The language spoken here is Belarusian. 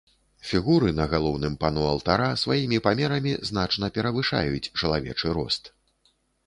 Фігуры на галоўным пано алтара сваімі памерамі значна перавышаюць чалавечы рост.